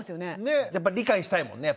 ねっやっぱり理解したいもんね。